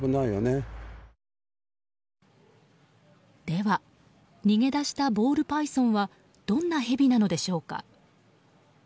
では、逃げ出したボールパイソンはどんなヘビなのでしょうか。